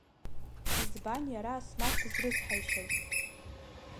Избан иара Асмаҭ дызрыцҳаишьаз?